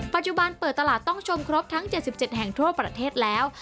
ปัจจุบันเปิดตลาดต้องชมครบทั้ง๗๗แห่งทั่วประเทศแล้ว